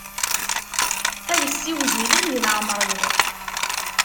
Ad ssiwzilen di leɛmer-iw.